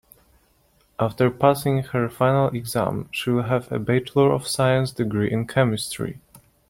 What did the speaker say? After passing her final exam she will have a bachelor of science degree in chemistry.